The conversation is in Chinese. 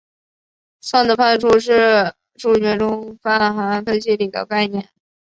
算子范数是数学中泛函分析里的概念。